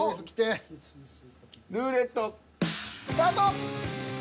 ルーレットスタート。